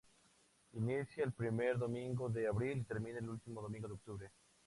Inicia el primer domingo de abril y termina el último domingo de octubre.